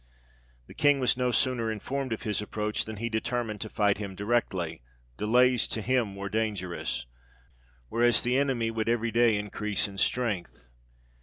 The King was no sooner informed of his approach than he determined to fight him directly ; delays to him were dangerous ; whereas, the enemy would every day increase in strength.